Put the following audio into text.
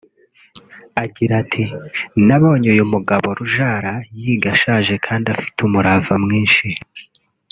Agira ati “Nabonye uyu mugabo Rujara yiga ashaje kandi afite umurava mwinshi